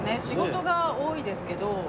仕事が多いですけど。